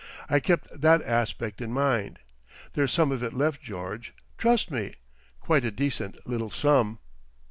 I kept that aspect in mind. There's some of it left George—trust me!—quite a decent little sum."